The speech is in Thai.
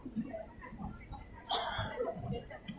เวลาแรกพี่เห็นแวว